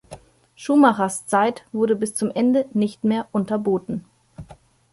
Schumachers Zeit wurde bis zum Ende nicht mehr unterboten.